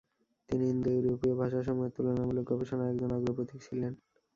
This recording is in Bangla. তিনি ইন্দো-ইউরোপীয় ভাষাসমূহের তুলনামূলক গবেষণার একজন অগ্রপথিক ছিলেন।